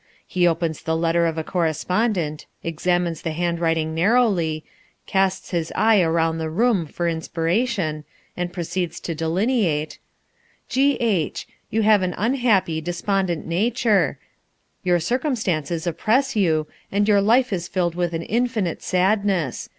He opens the letter of a correspondent, examines the handwriting narrowly, casts his eye around the room for inspiration, and proceeds to delineate: "G.H. You have an unhappy, despondent nature; your circumstances oppress you, and your life is filled with an infinite sadness.